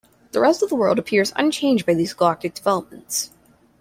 The rest of the world appears unchanged by these galactic developments.